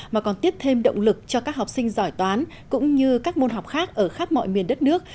mà còn tiếp thêm động lực cho các học sinh giỏi toán cũng như các môn học khác ở khắp mọi miền đất nước